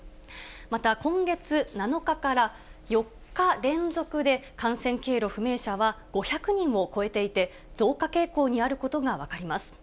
また、今月７日から４日連続で感染経路不明者は５００人を超えていて、増加傾向にあることが分かります。